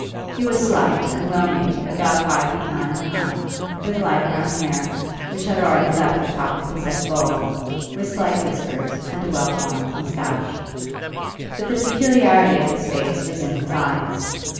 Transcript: He was slight and well made, about five feet nine in height, with light brown hair, which had already left the top of his head bald, with slight whiskers, and a well formed moustache. But the peculiarity of his face was in his eyes.